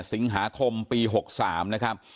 สิงหาคมปี๖๓นะครับ